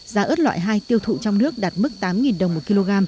giá ớt loại hai tiêu thụ trong nước đạt mức tám đồng một kg